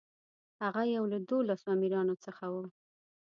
هغه یو له دولسو امیرانو څخه و.